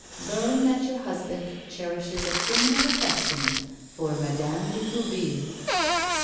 Learn that your husband cherishes a criminal affection for Madame de Fourville."